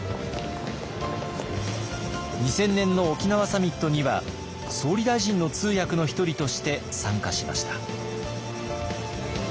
２０００年の沖縄サミットには総理大臣の通訳の一人として参加しました。